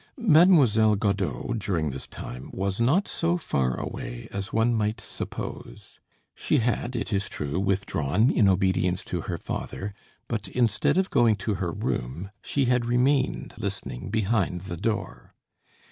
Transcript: Mademoiselle Godeau, during this time, was not so far away as one might suppose; she had, it is true, withdrawn in obedience to her father; but, instead of going to her room, she had remained listening behind the door.